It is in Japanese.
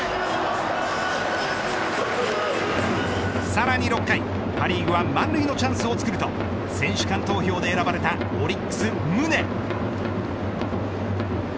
さらに６回パ・リーグは満塁のチャンスをつくると選手間投票で選ばれたオリックス、宗。